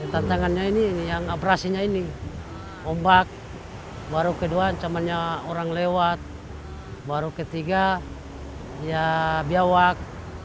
tantangannya ini yang operasinya ini ombak baru kedua ancamannya orang lewat baru ketiga ya biawak